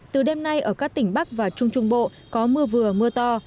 từ đêm nay ở các tỉnh bắc và trung trung bộ có mưa vừa mưa to